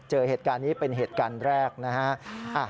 เจอเหตุการณ์นี้เป็นเหตุการณ์แรกนะฮะ